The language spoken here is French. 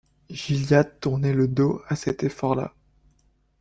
Gilliatt tournait le dos à cet effort-là.